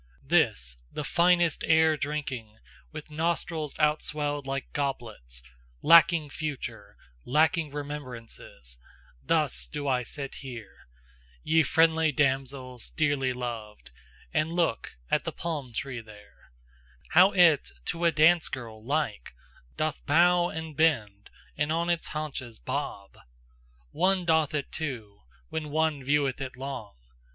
This the finest air drinking, With nostrils out swelled like goblets, Lacking future, lacking remembrances Thus do I sit here, ye Friendly damsels dearly loved, And look at the palm tree there, How it, to a dance girl, like, Doth bow and bend and on its haunches bob, One doth it too, when one view'th it long!